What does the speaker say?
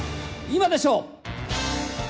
「今でしょ！」